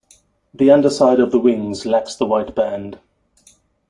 The underside of the wings lacks the white band.